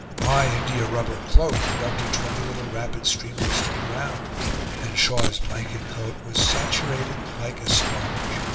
My india rubber cloak conducted twenty little rapid streamlets to the ground; and Shaw's blanket coat was saturated like a sponge.